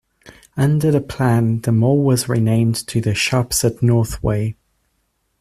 Under the plan, the mall was renamed to The Shoppes at Northway.